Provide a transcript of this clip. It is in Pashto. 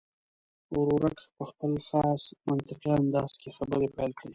ورورک په خپل خاص منطقي انداز کې خبرې پیل کړې.